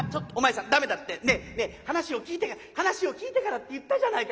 話を聞いて話を聞いてからって言ったじゃないか。